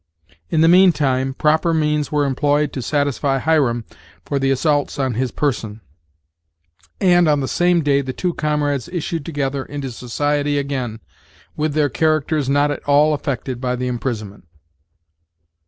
In the mean time, proper means were employed to satisfy Hiram for the assaults on his person; and on the same day the two comrades issued together into society again, with their characters not at all affected by the imprisonment.